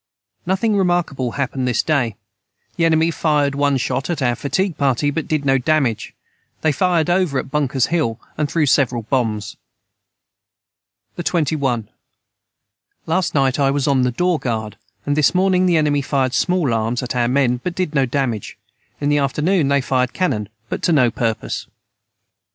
Nothing remarkable hapened this day the enemy fired one shot at our fatigue party but did no damage they fired over at Bunkers hill and threw several Bombs. the 21. Last night I was on the door guard and this morning the enemy fired small arms at our men but did no Damage in the afternoon they fired canon but to no purpose.